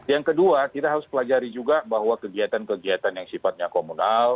yang kedua kita harus pelajari juga bahwa kegiatan kegiatan yang sifatnya komunal